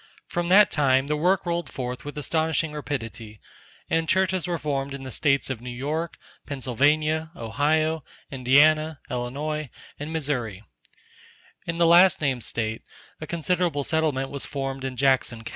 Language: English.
From that time the work rolled forth with astonishing rapidity, and churches were formed in the states of New York, Pennsylvania, Ohio, Indiana, Illinois, and Missouri; in the last named state a considerable settlement was formed in Jackson co.